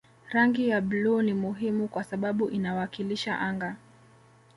Rangi ya bluu ni muhimu kwa sababu inawakilisha anga